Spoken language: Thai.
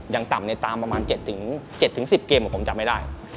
ยังต่ำในตามประมาณ๗๗๑๐เกมผมจำไม่ได้